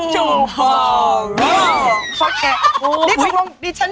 ฉะนั้นมีหนังสือมาแจก